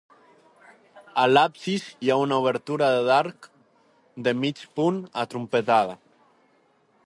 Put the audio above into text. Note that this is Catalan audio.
A l'absis hi ha una obertura d'arc de mig punt atrompetada.